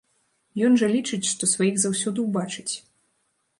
Ён жа лічыць, што сваіх заўсёды ўбачыць.